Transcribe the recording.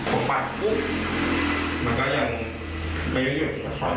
ผมปัดปุ๊บมันก็ยังไม่ได้อยู่